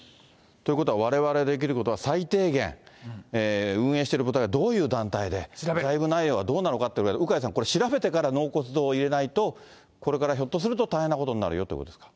ということは、われわれできることは、最低限、運営している所が、どういう団体で、財務内容はどうなのかということを、鵜飼さん、これ調べてから納骨堂入れないと、これからひょっとすると大変なことになるよということですか。